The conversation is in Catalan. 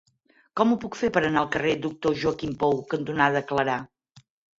Com ho puc fer per anar al carrer Doctor Joaquim Pou cantonada Clarà?